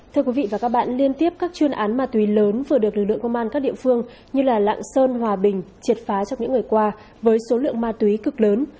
thưa quý vị và các bạn liên tiếp các chuyên án ma túy lớn vừa được lực lượng công an các địa phương như lạng sơn hòa bình triệt phá trong những ngày qua với số lượng ma túy cực lớn